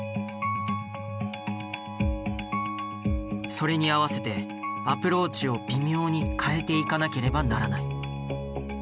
それに合わせてアプローチを微妙に変えていかなければならない。